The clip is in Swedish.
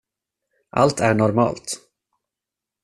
Allt är normalt.